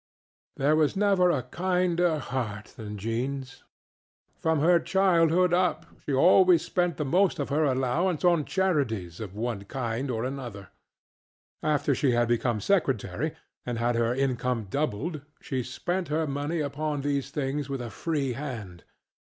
There was never a kinder heart than JeanŌĆÖs. From her childhood up she always spent the most of her allowance on charities of one kind and another. After she became secretary and had her income doubled she spent her money upon these things with a free hand.